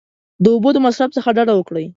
د اوبو د مصرف څخه ډډه وکړئ !